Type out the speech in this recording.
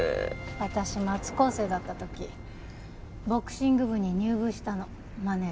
私松高生だった時ボクシング部に入部したのマネージャーで。